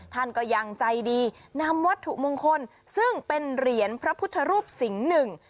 ท่านก็ยังใจดีนำวัตถุมงคลซึ่งเป็นเหรียญพระพุทธรูปสิงห์หนึ่ง